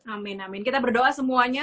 amin amin kita berdoa semuanya